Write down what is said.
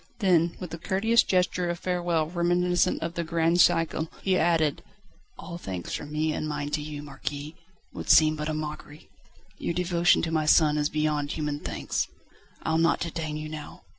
Then with a courteous gesture of farewell reminiscent of the grand siècle he added: "All thanks from me and mine to you, Marquis, would seem but a mockery. Your devotion to my son is beyond human thanks. I'll not detain you now.